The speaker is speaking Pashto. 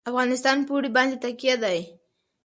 افغانستان په اوړي باندې تکیه لري.